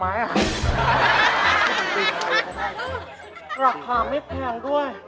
ราคาไม่แพงด้วย